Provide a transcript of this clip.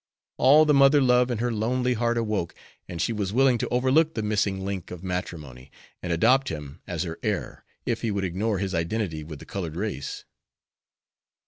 All the mother love in her lonely heart awoke, and she was willing to overlook "the missing link of matrimony," and adopt him as her heir, if he would ignore his identity with the colored race.